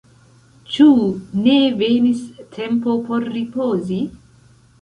ĉu ne venis tempo por ripozi?